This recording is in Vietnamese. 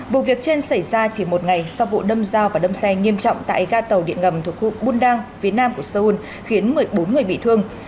vụ việc trên xảy ra chỉ một ngày sau vụ đâm giao và đâm xe nghiêm trọng tại ga tàu điện ngầm thuộc khu bundang phía nam của seoul khiến một mươi bốn người bị thương